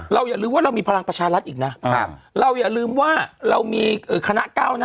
อย่าลืมว่าเรามีพลังประชารัฐอีกนะเราอย่าลืมว่าเรามีคณะก้าวหน้า